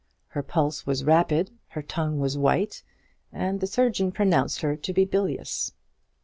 Her pulse was rapid, her tongue was white, and the surgeon pronounced her to be bilious.